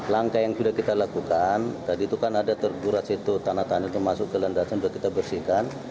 langkah yang sudah kita lakukan tadi itu kan ada terguras itu tanah tanah yang masuk ke landasan sudah kita bersihkan